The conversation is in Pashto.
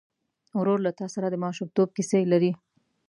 ورور له تا سره د ماشومتوب کیسې لري.